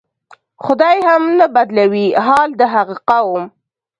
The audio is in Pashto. "خدای هم نه بدلوي حال د هغه قوم".